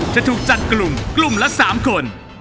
จะถูกจัดกลุ่มกลุ่มละ๓คน